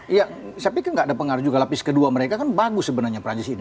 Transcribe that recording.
iya saya pikir nggak ada pengaruh juga lapis kedua mereka kan bagus sebenarnya perancis ini